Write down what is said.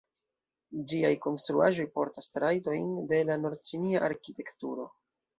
Ĝiaj konstruaĵoj portas trajtojn de la nord-ĉinia arkitekturo.